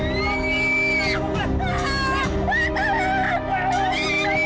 jangan lakukan apa apa